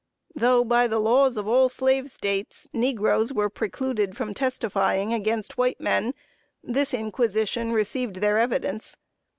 Though, by the laws of all slave States, negroes were precluded from testifying against white men, this inquisition received their evidence.